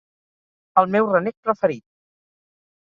El meu renec preferit